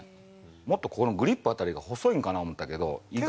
もっとここのグリップ辺りが細いのかな思ったけど。